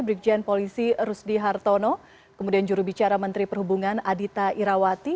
brigjen polisi rusdi hartono kemudian jurubicara menteri perhubungan adita irawati